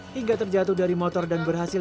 hingga terjatuh dari motor dan berhasil